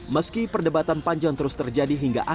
meski perdebatan panjang terus terjadi hingga akhir